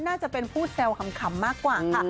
น่าจะเป็นผู้แซวขำมากกว่าค่ะ